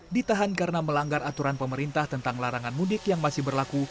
ditahan karena melanggar aturan pemerintah tentang larangan mudik yang masih berlaku